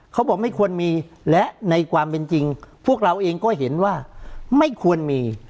เขาบอกไม่ควรมีและในความเป็นจริงพวกเราเองก็เห็นว่าไม่ควรมี